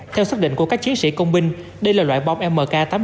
theo xác định của các chiến sĩ công binh đây là loại bôm mk tám mươi hai